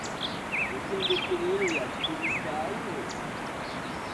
Ettendekero eryo lya kikulisitaayo?